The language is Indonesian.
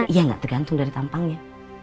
iya nggak tergantung dari tampangnya